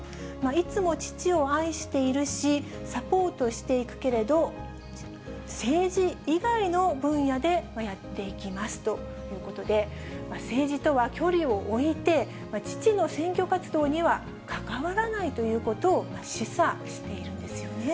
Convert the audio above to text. いつも父を愛しているし、サポートしていくけれど、政治以外の分野でやっていきますということで、政治とは距離を置いて、父の選挙活動には関わらないということを示唆しているんですよね。